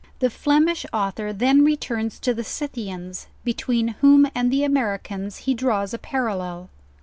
The Flemish author then returns to the Scythians, be tween whom and the Americans he draws a parallel.